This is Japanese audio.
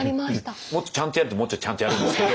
もっとちゃんとやるともうちょいちゃんとやるんですけど。